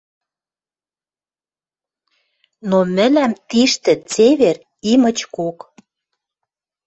Но мӹлӓм тиштӹ цевер и мычкок.